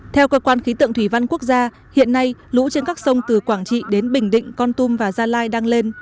theo cơ quan khí tượng thủy văn quốc gia hiện nay lũ trên các sông từ quảng trị đến bình định con tum và gia lai đang lên